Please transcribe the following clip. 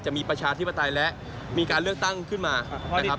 ประชาธิปไตยและมีการเลือกตั้งขึ้นมานะครับ